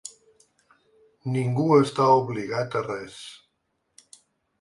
Ningú està obligat a res.